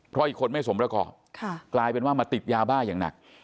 เพราะอีกคนไม่สมประกอบกลายเป็นว่ามาติดยาบ้าอย่างหนัก